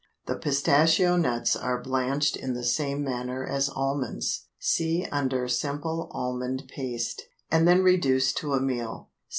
The pistachio nuts are blanched in the same manner as almonds (see under Simple Almond Paste), and then reduced to a meal.